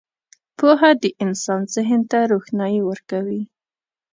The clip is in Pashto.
• پوهه د انسان ذهن ته روښنايي ورکوي.